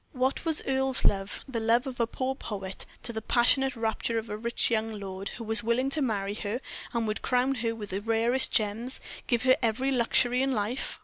What was Earle's love the love of a poor poet to the passionate rapture of a rich young lord, who was willing to marry her, and could crown her with the rarest gems, give her every luxury in life?